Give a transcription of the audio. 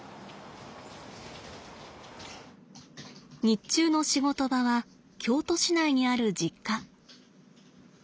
日中の仕事場は京都市内にある実家。